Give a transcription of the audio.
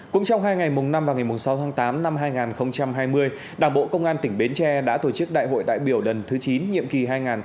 cũng trong hai ngày mùng năm và ngày mùng sáu tháng tám năm hai nghìn hai mươi đảng bộ công an tỉnh bến tre đã tổ chức đại hội đại biểu lần thứ chín nhiệm kỳ hai nghìn hai mươi hai nghìn hai mươi năm